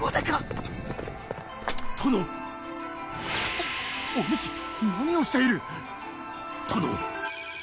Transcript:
おおぬし何をしている！？